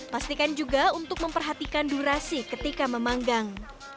pastikan juga untuk memperhatikan durasi ketika memanggang